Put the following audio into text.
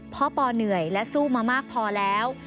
ปอเหนื่อยและสู้มามากพอแล้ว